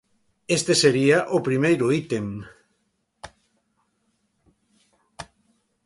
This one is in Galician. Este sería o primeiro ítem.